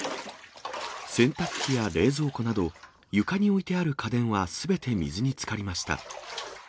洗濯機や冷蔵庫など、床に置いてある家電はすべて水につかりました。